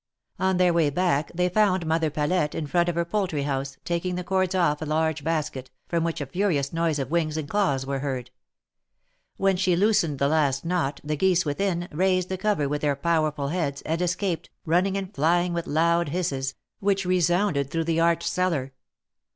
On their way back they found Mother Palette in front of her poultry house, taking the cords off of a large basket, from which a furious noise of wings and claws was heard. W^hen she loosened the last knot, the geese within, raised the cover with their powerful heads, and escaped, running and flying with loud hisses, which resounded through the arched cellar.